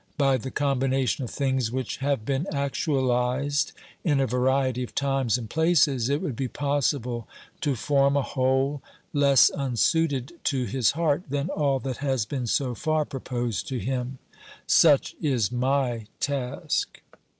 By the combination of things which have been actualised in a variety of times and places it would be possible to form a whole less unsuited to his heart than all that has been so far proposed to him. Such is my task